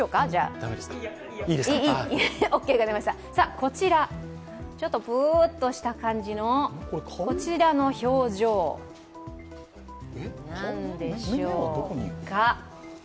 こちら、ちょっとプーッとした感じのこちらの表情、何でしょうか？